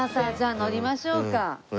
乗りましょう。